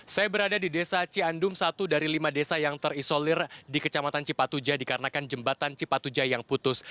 saya berada di desa cian dum satu dari lima desa yang terisolir di kecamatan cipat ujah dikarenakan jembatan cipat ujah yang putus